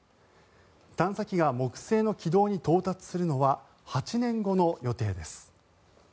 探査機が木星の軌道に到達するのは８年後の予定です。